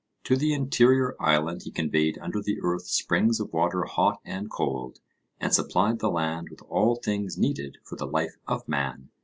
To the interior island he conveyed under the earth springs of water hot and cold, and supplied the land with all things needed for the life of man.